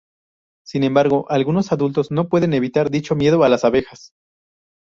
Sin embargo, algunos adultos no pueden evitar dicho miedo a las abejas.